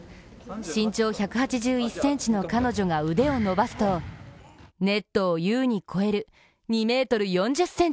身長１８１ｃｍの彼女が腕を伸ばすとネットを優に超える２ｍ４０ｃｍに！